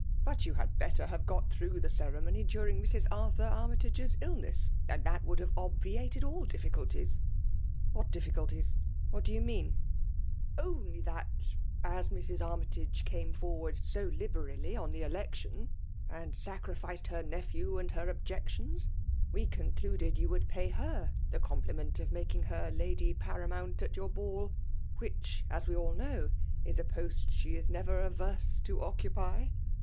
But you had better have got through the ceremony during Mrs. Arthur Armytage*s illness, and that would have obviated all difficulties.*' " What difficulties ?— what do you mean ?'*" Only that, as Mrs. Armytage came for ward so liberally on the election, and sacrificed i TEUA'LB DOMINATION'. 51 ha nepbew, and her objections, we concluded you would pay her the compliment of making her lady paramount at your ball, which, as we idl know, is a poal she is never averse to oc cupy.